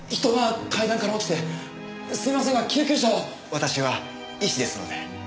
私は医師ですので。